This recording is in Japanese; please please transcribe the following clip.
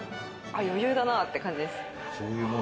余裕だなって感じです。